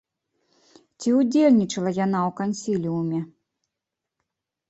Ці ўдзельнічала яна ў кансіліуме?